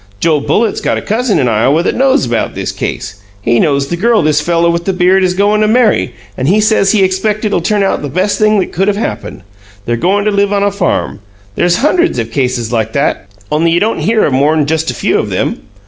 Joe Bullitt's got a cousin in Iowa that knows about this case he knows the girl this fellow with the beard is goin' to marry, and he says he expects it 'll turn out the best thing could have happened. They're goin' to live on a farm. There's hunderds of cases like that, only you don't hear of more'n just a few of 'em.